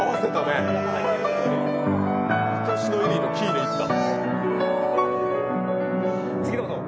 「いとしのエリー」のキーでいった！